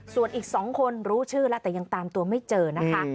ส่วนอีก๒คนรู้ชื่อแล้วแต่ยังตามตัวไม่เจอนะคะ